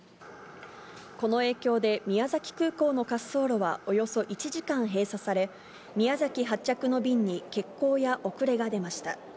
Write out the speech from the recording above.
この影響で宮崎空港の滑走路はおよそ１時間閉鎖され、宮崎発着の便に欠航や遅れが出ました。